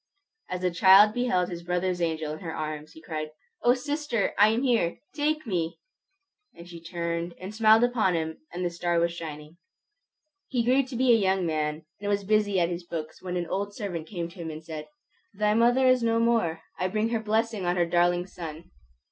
As the child beheld his brother's angel in her arms, he cried, "O sister, I am here! Take me!" And she turned and smiled upon him, and the star was shining. He grew to be a young man, and was busy at his books when an old servant came to him and said, "Thy mother is no more. I bring her blessing on her darling son!"